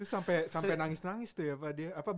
terus sampai nangis nangis tuh ya